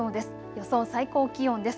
予想最高気温です。